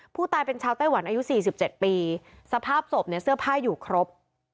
ผู้ตายเป็นชาวไต้หวันอายุ๔๗ปีสภาพศพเนี่ยเสื้อผ้าอยู่ครบ